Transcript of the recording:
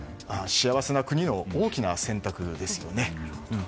幸せな国の大きな選択ですよね。